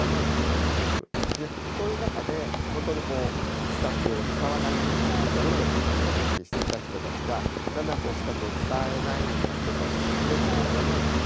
そういう中で本当にこう視覚を使わないっていうところで個性を発揮していた人たちがだんだんこう視覚を使えない人たちとして虐げられていく。